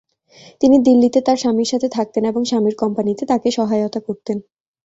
তিনি দিল্লিতে তার স্বামীর সাথে থাকতেন এবং স্বামীর কোম্পানিতে তাকে সহায়তা করতেন।